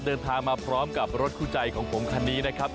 เดินทางมาพร้อมกับรถคู่ใจของผมคันนี้นะครับ